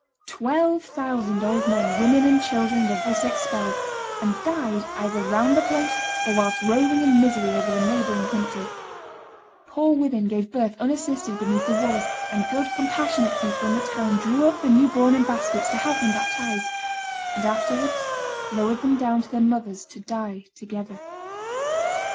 Twelve thousand old men, women, and children were thus expelled, and died either round the place or whilst roving in misery over the neighboring country; "poor women gave birth unassisted beneath the walls, and good compassionate people in the town drew up the new born in baskets to have them baptized, and afterwards lowered them down to their mothers to die together."